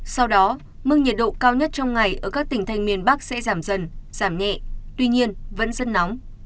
sau đó mức nhiệt độ cao nhất trong ngày ở các tỉnh thành miền bắc sẽ giảm dần giảm nhẹ tuy nhiên vẫn rất nóng